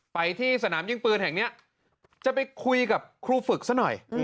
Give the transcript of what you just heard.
ไปที่สนามยิงปืนแห่งนี้จะไปคุยกับครูฝึกซะหน่อย